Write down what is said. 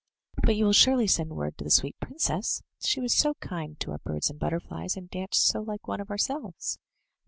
But you will surely send word to the sweet princess! — she was so kind to our birds and butterflies, and danced so like one of ourselves